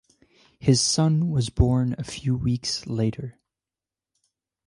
His son was born a few weeks later.